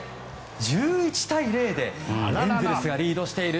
１１対０でエンゼルスがリードしている。